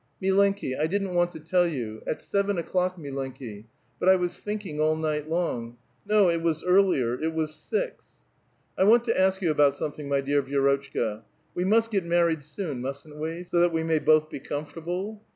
^^ Milenki, I didn't want to tell you ; at seven o'clock, mi lenki; but I was thinking all night long ; no, it was earlier, it was six !"" 1 want to ask ycu about something, my dear Vi^'rot(^hka : we must get married soon, mustn't we? so that we may both be comfortable